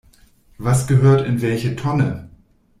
Was gehört in welche Tonne?